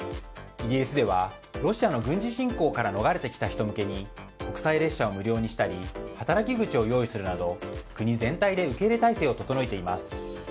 イギリスではロシアの軍事侵攻から逃れてきた人向けに国際列車を無料にしたり働き口を用意するなど国全体で受け入れ態勢を整えています。